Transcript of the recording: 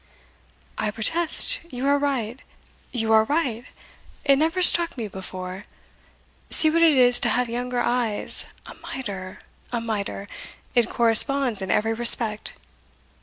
"I protest you are right! you are right! it never struck me before see what it is to have younger eyes A mitre a mitre it corresponds in every respect."